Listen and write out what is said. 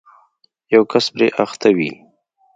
یو کس پرې اخته وي